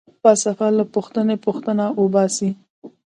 فلسفه له پوښتنې٬ پوښتنه وباسي.